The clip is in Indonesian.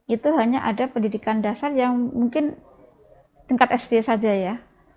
itu hanya ada pendidikan dasar yang mungkin tingkat sd saja ya